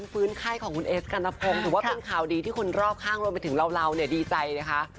ฟื้นไข้ของคุณเอสกัณพงศ์ถือว่าเป็นข่าวดีที่คนรอบข้างรวมไปถึงเราดีใจนะคะ